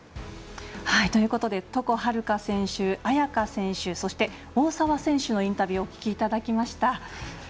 ということで床秦留可選手、亜矢可選手そして、大澤選手のインタビューお聞きいただきました。